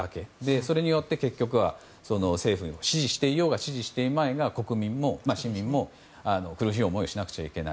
それによって、結局は政府を支持していようがいまいが国民も市民も、苦しい思いをしなくてはならない。